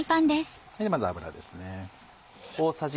まず油です。